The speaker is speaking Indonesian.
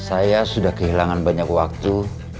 saya sudah kehilangan banyak waktu